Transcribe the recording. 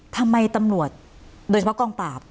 ทำไมตำรวจโดยเฉพาะกองปราบ